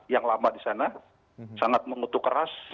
yang lama di sana sangat mengutuk keras